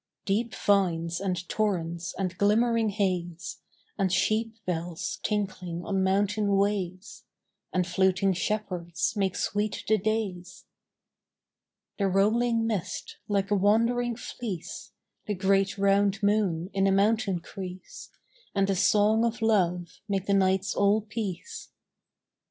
Deep vines and torrents and glimmering haze, And sheep bells tinkling on mountain ways, And fluting shepherds make sweet the days. The rolling mist, like a wandering fleece, The great, round moon in a mountain crease, And a song of love make the nights all peace.